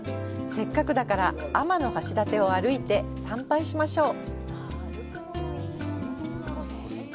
せっかくだから天橋立を歩いて参拝しましょう！